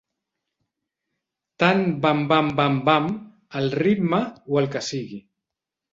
Tant "bam-bam-bam-bam" al ritme o el que sigui.